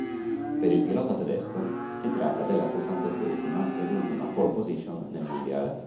Per il pilota tedesco si tratta della sessantottesima ed ultima "pole position" nel mondiale.